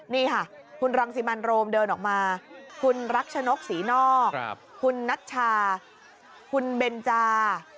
นี่ค่ะคุณรังสิมันโรมเดินออกมาคุณรักชนกศรีนอกคุณนัชชาคุณเบนจา